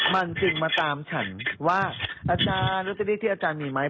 มันจึงมาตามฉันว่าอาจารย์ลอตเตอรี่ที่อาจารย์มีไหม